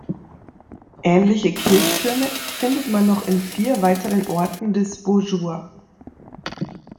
Ähnliche Kirchtürme findet man noch in vier weiteren Orten des Baugeois.